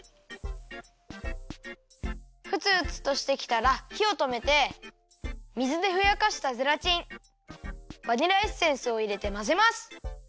ふつふつとしてきたらひをとめて水でふやかしたゼラチンバニラエッセンスをいれてまぜます。